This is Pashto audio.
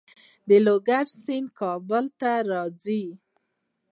د لوګر سیند کابل ته راځي